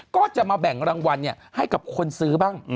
ก็จะมาแบ่งรางวัลให้กับคนซื้อบ้าง